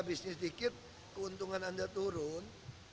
habis ini sedikit keuntungan anda turun